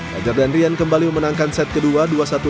fajar dan rian kembali memenangkan set kedua dua satu